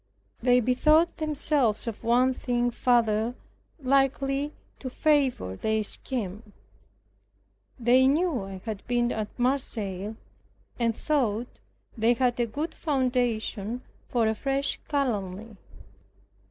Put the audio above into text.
They bethought themselves of one thing further likely to favor their scheme. They knew I had been at Marseilles, and thought they had a good foundation for a fresh calumny.